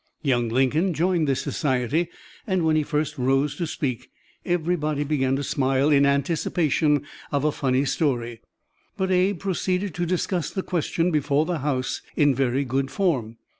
Young Lincoln joined this society, and when he first rose to speak, everybody began to smile in anticipation of a funny story, but Abe proceeded to discuss the question before the house in very good form.